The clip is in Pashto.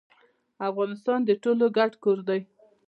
افغانستان د ټولو ګډ کور دی